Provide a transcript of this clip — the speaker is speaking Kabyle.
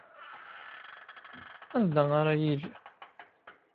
Anda ara yili?